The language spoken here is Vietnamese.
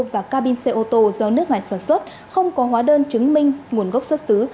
và cabin xe ô tô do nước này sản xuất không có hóa đơn chứng minh nguồn gốc xuất xứ